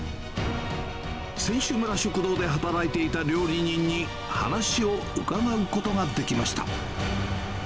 選手村食堂で働いていた料理人に、話を伺うことができました。